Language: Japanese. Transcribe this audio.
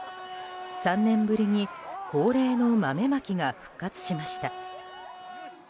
３年ぶりに恒例の豆まきが復活しました。